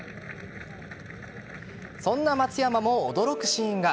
そんな松山も驚くシーンが。